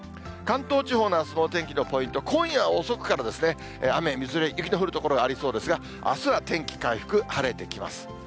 関東地方のあすのお天気のポイント、今夜遅くから、雨、みぞれ、雪の降る所がありそうですが、あすは天気回復、晴れてきます。